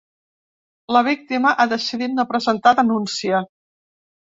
La víctima ha decidit no presentar denúncia